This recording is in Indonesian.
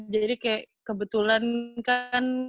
jadi kayak kebetulan kan